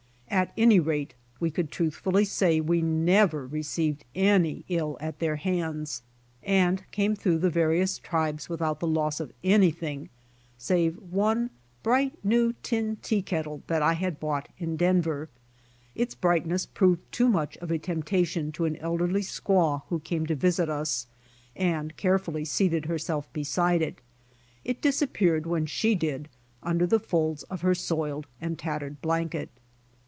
At any rate we could truthfully say we never received any ill at their hands, and came through the various tribes without the loss of any thing save one bright new tin tea kettle that I had bought in Denver. Its brightness proved too much of a temptation to an elderly squaw who came to visit us, and carefully seated herself beside it It disap peared when she did under the folds of her soiled and tattered blanket.